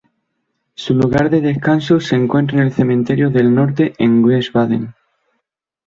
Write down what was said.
Su lugar de descanso se encuentra en el Cementerio del Norte en Wiesbaden.